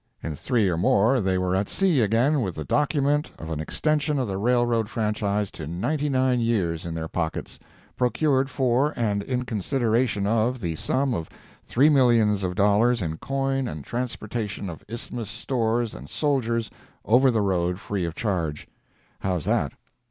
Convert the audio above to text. In three more they were at sea again with the document of an extension of the railroad franchise to ninety nine years in their pockets, procured for and in consideration of the sum of three millions of dollars in coin and transportation of Isthmian stores and soldiers over the road free of charge. How's that?